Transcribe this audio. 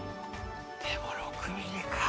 でも、６ｍｍか。